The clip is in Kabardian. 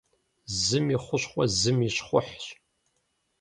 Зым и хущхъуэ зым и щхъухьщ.